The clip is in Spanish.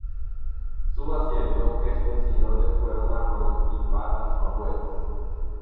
Su asiento es un sillón de cuero marrón y patas con ruedas.